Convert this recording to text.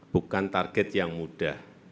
bukan target yang mudah